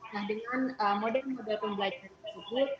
nah dengan model model pembelajaran tersebut